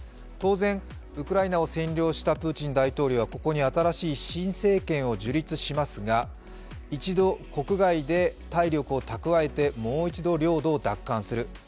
当然、ウクライナを占領したプーチン大統領はここに新しい新政権を樹立しますが、一度、国外で体力を蓄えてもう一度領土を奪還する。